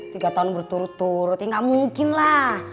tiga tahun berturut turut ya nggak mungkin lah